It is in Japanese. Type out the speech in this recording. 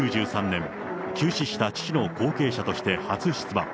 １９９３年、急死した父の後継者として初出馬。